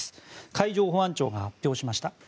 海上保安庁が発表しました。